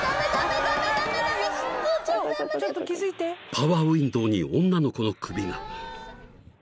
［パワーウインドーに女の子の首が］